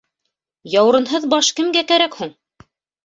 —Яурынһыҙ баш кемгә кәрәк һуң?